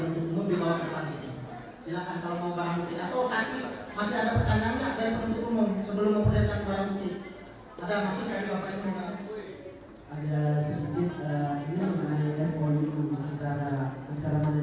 ini sudah dijelaskan kepada pemerintah bahwa dia mengatakan tak mungkin